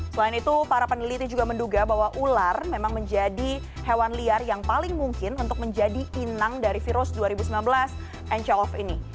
selain itu para peneliti juga menduga bahwa ular memang menjadi hewan liar yang paling mungkin untuk menjadi inang dari virus dua ribu sembilan belas ncov ini